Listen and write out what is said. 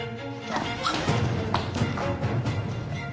あっ！